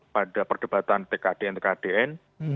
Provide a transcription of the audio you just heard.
pada perdebatan tkdn tkdn